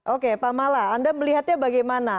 oke pak mala anda melihatnya bagaimana